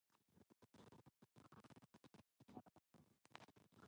Cooke's company became a serious competitor in the locomotive building business.